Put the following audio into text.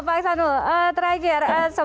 pak eshanul terakhir